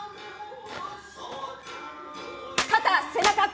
肩背中腰！